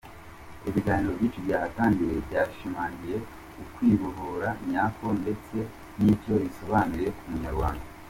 Ibiganiro byinshi byahatangiwe byashimangiye Ukwibohora nyako ndetse n’icyo bisobanuye ku Munyarwanda.